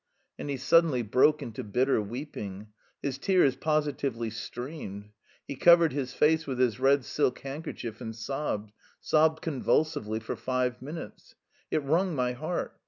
And he suddenly broke into bitter weeping. His tears positively streamed. He covered his face with his red silk handkerchief and sobbed, sobbed convulsively for five minutes. It wrung my heart.